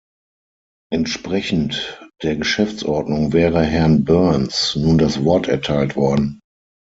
Entsprechend der Geschäftsordnung wäre Herrn Burns nun das Wort erteilt worden.